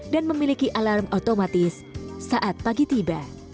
dan memiliki alarm otomatis saat pagi tiba